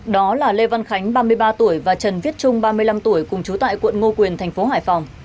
đó là lê văn khánh ba mươi ba tuổi và trần viết trung ba mươi năm tuổi cùng chú tại quận ngô quyền thành phố hải phòng